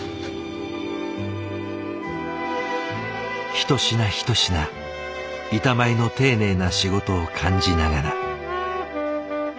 一品一品板前の丁寧な仕事を感じながら。